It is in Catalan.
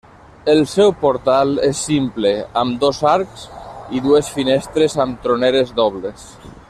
El seu portal és simple, amb dos arcs i dues finestres amb troneres dobles.